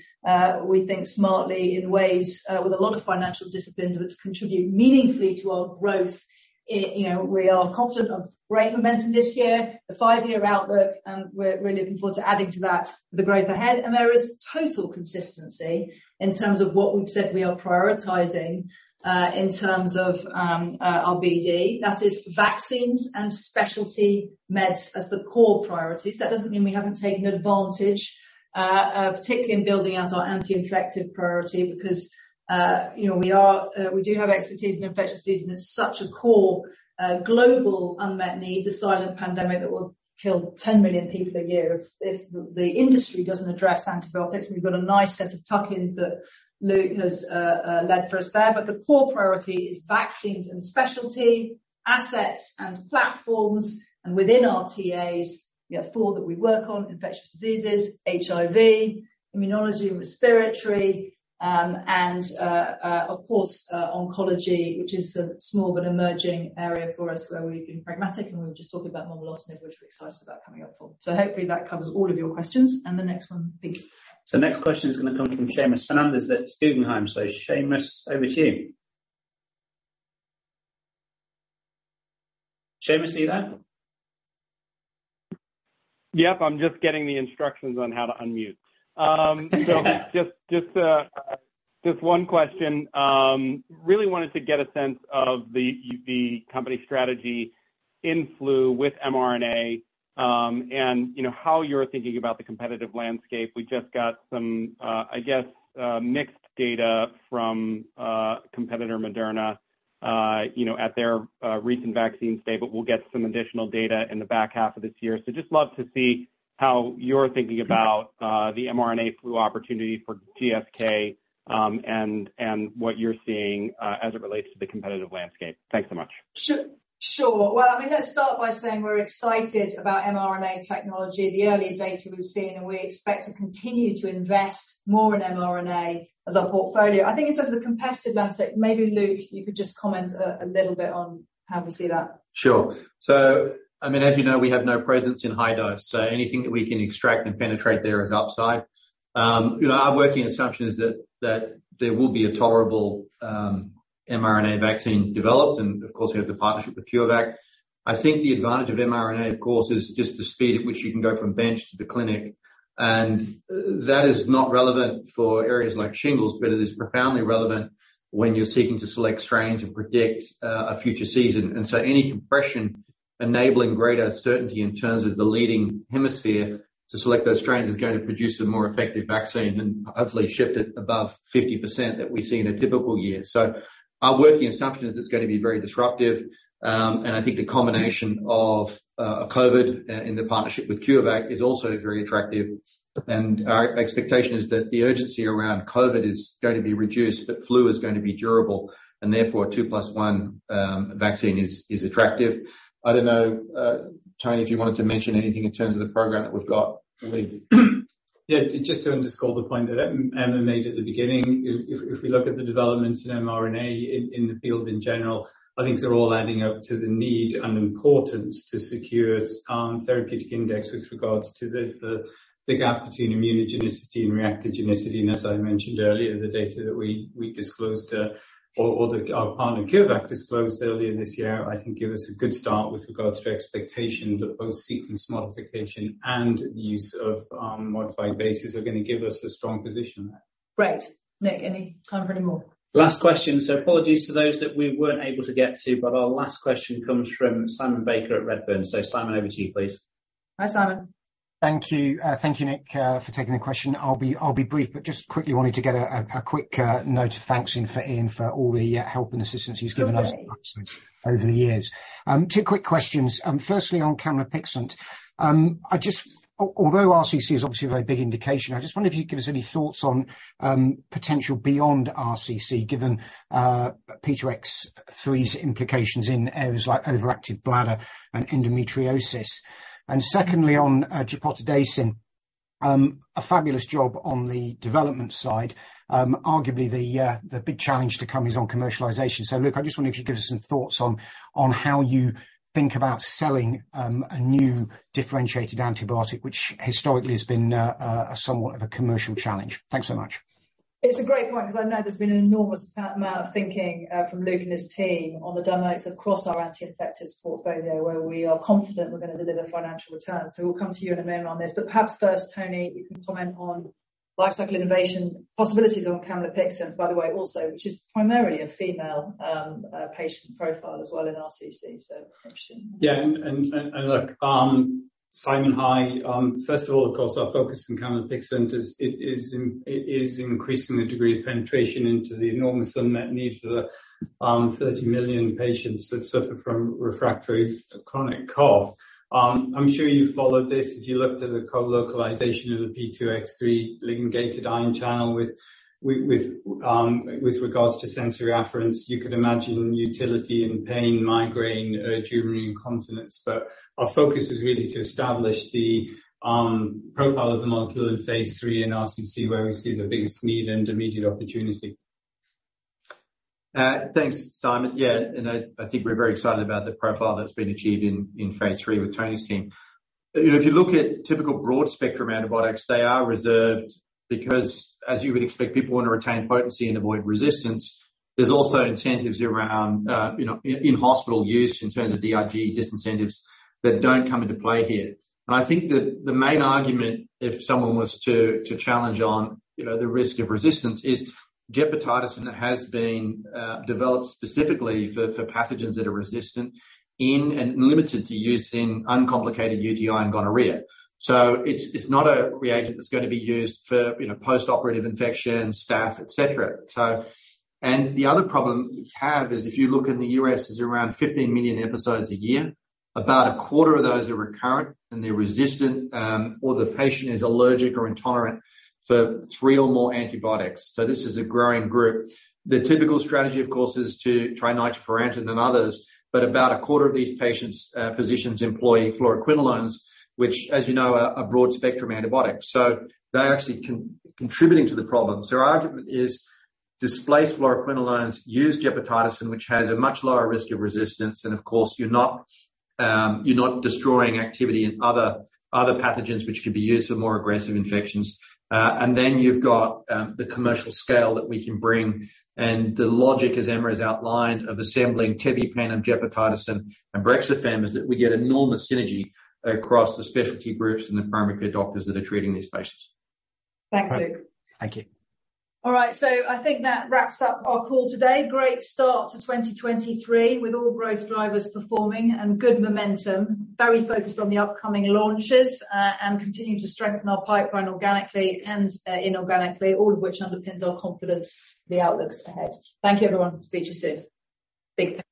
we think smartly in ways, with a lot of financial discipline that's contributing meaningfully to our growth. You know, we are confident of great momentum this year, the five-year outlook, and we're looking forward to adding to that the growth ahead. There is total consistency in terms of what we've said we are prioritizing, in terms of our BD. That is vaccines and specialty meds as the core priorities. That doesn't mean we haven't taken advantage, particularly in building out our anti-infective priority because, you know, we are, we do have expertise in infectious disease, and it's such a core global unmet need, the silent pandemic that will kill 10 million people a year if the industry doesn't address antibiotics. We've got a nice set of tuck-ins that Luke has led for us there. The core priority is vaccines and specialty, assets and platforms. Within our TAs, we have four that we work on, infectious diseases, HIV, immunology, respiratory, and of course, oncology, which is a small but emerging area for us where we've been pragmatic and we've just talked about momelotinib, which we're excited about coming up for. Hopefully that covers all of your questions. The next one please. Next question is going to come from Seamus Fernandez at Guggenheim. Seamus, over to you. Seamus, are you there? Yep, I'm just getting the instructions on how to unmute. Just one question. Really wanted to get a sense of the company strategy in flu with mRNA, you know, how you're thinking about the competitive landscape. We just got some, I guess, mixed data from competitor Moderna, you know, at their recent vaccine state, we'll get some additional data in the back half of this year. Just love to see how you're thinking about the mRNA flu opportunity for GSK, and what you're seeing as it relates to the competitive landscape. Thanks so much. Sure. Well, I mean, let's start by saying we're excited about mRNA technology, the early data we've seen, and we expect to continue to invest more in mRNA as our portfolio. I think in terms of the competitive landscape, maybe Luke, you could just comment a little bit on how we see that. Sure. I mean, as you know, we have no presence in high dose. Anything that we can extract and penetrate there is upside. You know, our working assumption is that there will be a tolerable mRNA vaccine developed, and of course, we have the partnership with CureVac. I think the advantage of mRNA, of course, is just the speed at which you can go from bench to the clinic, and that is not relevant for areas like shingles, but it is profoundly relevant when you're seeking to select strains and predict a future season. Any compression enabling greater certainty in terms of the leading hemisphere to select those strains is going to produce a more effective vaccine and hopefully shift it above 50% that we see in a typical year. Our working assumption is it's gonna be very disruptive, and I think the combination of COVID in the partnership with CureVac is also very attractive. Our expectation is that the urgency around COVID is going to be reduced, but flu is going to be durable, and therefore two plus one vaccine is attractive. I don't know, Tony, if you wanted to mention anything in terms of the program that we've got. I mean Yeah. Just to underscore the point that Emma made at the beginning. If we look at the developments in mRNA in the field in general, I think they're all adding up to the need and importance to secure therapeutic index with regards to the gap between immunogenicity and reactogenicity. As I mentioned earlier, the data that we disclosed or that our partner CureVac disclosed earlier this year, I think gives us a good start with regards to expectation that both sequence modification and use of modified bases are gonna give us a strong position there. Great. Nick, any time for any more? Last question. Apologies to those that we weren't able to get to, our last question comes from Simon Baker at Redburn. Simon, over to you, please. Hi, Simon. Thank you. Thank you, Nick, for taking the question. I'll be brief, but just quickly wanted to get a quick note of thanks in for Iain for all the help and assistance he's given us- Lovely -over the years. Two quick questions. Firstly, on camlipixant. Although RCC is obviously a very big indication, I just wonder if you'd give us any thoughts on potential beyond RCC, given P2X3's implications in areas like overactive bladder and endometriosis. Secondly, on gepotidacin. A fabulous job on the development side. Arguably, the big challenge to come is on commercialization. Luke, I just wonder if you could give us some thoughts on how you think about selling a new differentiated antibiotic, which historically has been somewhat of a commercial challenge. Thanks so much. It's a great point because I know there's been an enormous amount of thinking from Luke and his team on the dynamics across our anti-infectives portfolio, where we are confident we're gonna deliver financial returns. We'll come to you in a moment on this. Perhaps first, Tony, you can comment on lifecycle innovation possibilities on camlipixant, by the way, also, which is primarily a female patient profile as well in RCC. Yeah. Look, Simon, hi. First of all, of course, our focus in camlipixant is increasing the degree of penetration into the enormous unmet need for the 30 million patients that suffer from refractory chronic cough. I'm sure you followed this. If you looked at the colocalization of the P2X3 ligand-gated ion channel with regards to sensory afferents, you could imagine utility and pain, migraine, urinary incontinence. Our focus is really to establish the profile of the molecule in phase III in RCC, where we see the biggest need and immediate opportunity. Thanks, Simon. I think we're very excited about the profile that's been achieved in phase III with Tony's team. You know, if you look at typical broad-spectrum antibiotics, they are reserved because as you would expect, people wanna retain potency and avoid resistance. There's also incentives around, you know, in hospital use in terms of DIG disincentives that don't come into play here. I think that the main argument, if someone was to challenge on, you know, the risk of resistance, is gepotidacin has been developed specifically for pathogens that are resistant in and limited to use in uncomplicated UTI and gonorrhea. It's not a reagent that's gonna be used for, you know, postoperative infection, staph, et cetera. The other problem we have is if you look in the U.S., there's around 15 million episodes a year. About a quarter of those are recurrent, and they're resistant, or the patient is allergic or intolerant for three or more antibiotics. This is a growing group. The typical strategy, of course, is to try nitrofurantoin and others, but about a quarter of these patients' physicians employ fluoroquinolones, which, as you know, are a broad-spectrum antibiotic. They're actually contributing to the problem. Our argument is displace fluoroquinolones, use gepotidacin, which has a much lower risk of resistance, and of course, you're not destroying activity in other pathogens which could be used for more aggressive infections. You've got the commercial scale that we can bring. The logic, as Emma has outlined, of assembling tebipenem HBr, and gepotidacin, and Brexafemme is that we get enormous synergy across the specialty groups and the primary care doctors that are treating these patients. Thanks, Luke. Thank you. All right. I think that wraps up our call today. Great start to 2023 with all growth drivers performing and good momentum. Very focused on the upcoming launches, and continuing to strengthen our pipeline organically and inorganically, all of which underpins our confidence the outlook's ahead. Thank you, everyone. Speak to you soon. Big thanks.